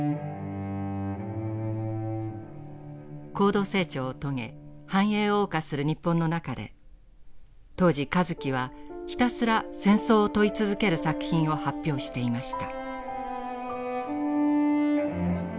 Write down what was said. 高度成長を遂げ繁栄を謳歌する日本の中で当時香月はひたすら戦争を問い続ける作品を発表していました。